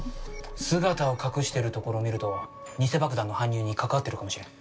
姿を隠してるところを見ると偽爆弾の搬入に関わってるかもしれん。